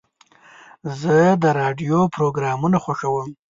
زه د راډیو پروګرامونه خوښوم.